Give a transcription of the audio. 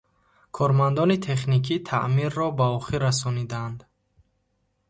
Кормандони техникӣ таъмирро ба охир расониданд.